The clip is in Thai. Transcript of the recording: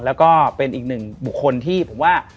แล้วก็เป็นอีกหนึ่งบุคคลที่ผมว่า